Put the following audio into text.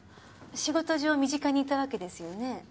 仕事上身近にいたわけですよね？